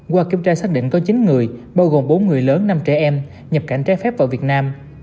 qua kiểm tra xác định có chín người bao gồm bốn người lớn năm trẻ em nhập cảnh trái phép vào việt nam